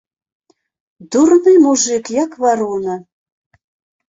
Дурны мужык, як варона!